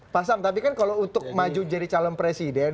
pak sam tapi kan kalau untuk maju jadi calon presiden